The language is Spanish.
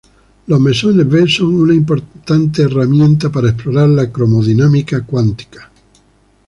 Los mesones B son una importante herramienta para explorar la cromodinámica cuántica.